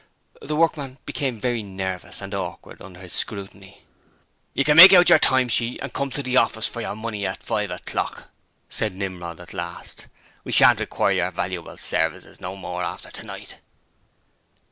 The workman became very nervous and awkward under this scrutiny. 'You can make out yer time sheet and come to the office for yer money at five o'clock,' said Nimrod at last. 'We shan't require your valuable services no more after tonight.'